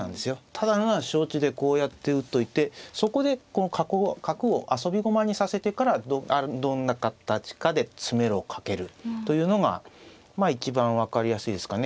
タダなのは承知でこうやって打っといてそこでこの角を遊び駒にさせてからどんな形かで詰めろをかけるというのがまあ一番分かりやすいですかね。